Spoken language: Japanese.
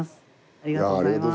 ありがとうございます。